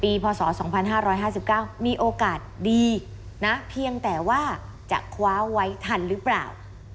พศ๒๕๕๙มีโอกาสดีนะเพียงแต่ว่าจะคว้าไว้ทันหรือเปล่า